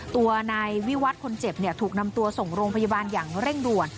ตัวนายวิวัตรคนเจ็บถูกนำตัวส่งโรงพยาบาลอย่างเร่งด่วน